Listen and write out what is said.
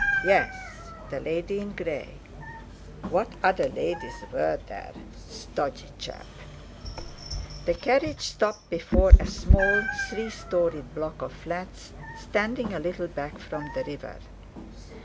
"Yes, the lady in grey." What other ladies were there! Stodgy chap! The carriage stopped before a small three storied block of flats, standing a little back from the river.